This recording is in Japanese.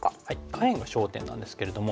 下辺が焦点なんですけれども。